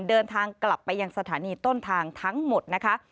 เดินทางกลับไปยังสถานีต้นทางทั้งหมดนะคะ